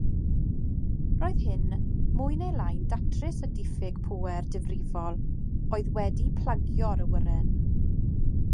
Roedd hyn mwy neu lai'n datrys y diffyg pŵer difrifol oedd wedi plagio'r awyren.